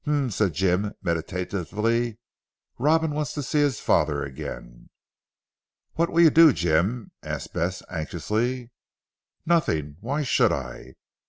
"Humph!" said Jim meditatively, "Robin wants to see his father again!" "What will you do Jim?" asked Bess anxiously. "Nothing. Why should I?"